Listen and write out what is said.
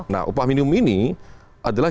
nah upah minimum ini adalah